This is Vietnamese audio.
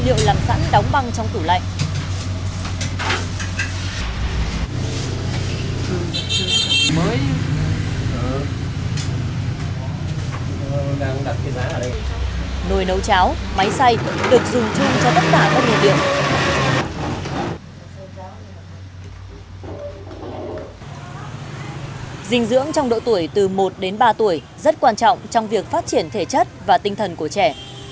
dinh dưỡng trong độ tuổi từ một đến ba tuổi rất quan trọng trong việc phát triển thể chất và tinh thần của trẻ